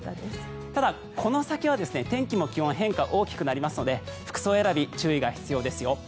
ただ、この先は天気も気温も変化は大きくなりますので服装選び、注意が必要ですよ。